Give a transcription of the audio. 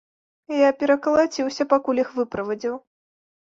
Я перакалаціўся, пакуль іх выправадзіў.